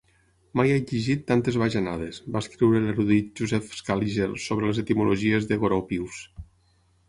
"Mai he llegit tantes bajanades", va escriure l'erudit Joseph Scaliger sobre les etimologies de Goropius.